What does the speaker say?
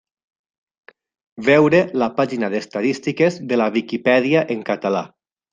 Veure la pàgina d'Estadístiques de la Viquipèdia en català.